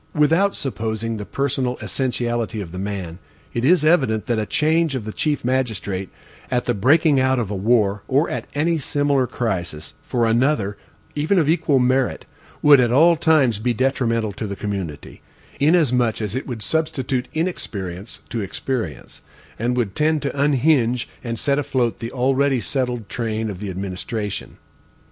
Without supposing the personal essentiality of the man, it is evident that a change of the chief magistrate, at the breaking out of a war, or at any similar crisis, for another, even of equal merit, would at all times be detrimental to the community, inasmuch as it would substitute inexperience to experience, and would tend to unhinge and set afloat the already settled train of the administration.